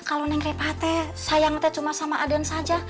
kalau neng repah teh sayang teh cuma sama aden saja